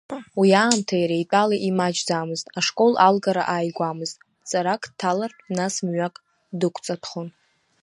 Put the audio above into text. Уи аамҭа иара итәала имаҷӡамызт, ашкол алгара ааигәамызт, ҵарак дҭалартә, нас мҩак дықәҵатәхон.